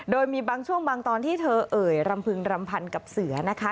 โดยมีบางช่วงบางตอนที่เธอเอ่ยรำพึงรำพันกับเสือนะคะ